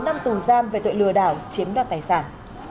một mươi bốn năm tù giam về tội lừa đảo chiếm đoạt tài sản